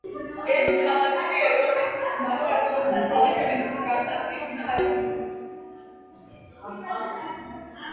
ეს ქალაქები ევროპის მაღაროელთა ქალაქების მსგავსად იქნა აგებული.